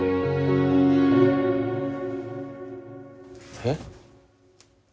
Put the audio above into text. えっ。